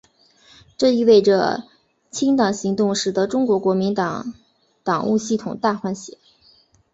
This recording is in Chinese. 这意味着清党行动使得中国国民党党务系统大换血。